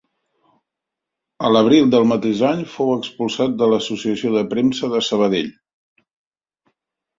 A l'abril del mateix any fou expulsat de l'Associació de Premsa de Sabadell.